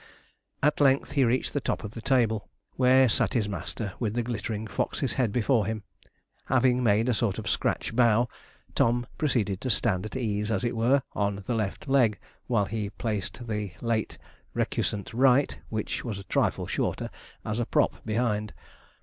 At length he reached the top of the table, where sat his master, with the glittering Fox's head before him. Having made a sort of scratch bow, Tom proceeded to stand at ease, as it were, on the left leg, while he placed the late recusant right, which was a trifle shorter, as a prop behind.